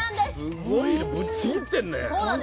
すごいねぶっちぎってんね。